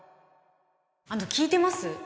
あの聞いてます？